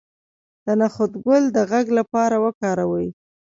د نخود ګل د غږ لپاره وکاروئ